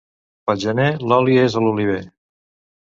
Pel gener l'oli és a l'oliver.